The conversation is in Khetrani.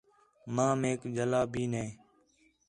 ماں میک جَھلاّ بھی نَے